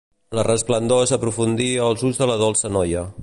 La resplendor s'aprofundia als ulls de la dolça noia.